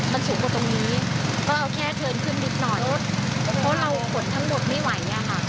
มันสูงกว่าตรงนี้ก็เอาแค่เทินขึ้นนิดหน่อยเพราะเราขนทั้งหมดไม่ไหวอะค่ะ